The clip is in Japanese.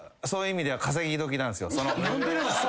何でなんすか？